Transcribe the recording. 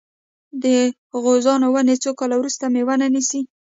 د غوزانو ونې څو کاله وروسته میوه نیسي؟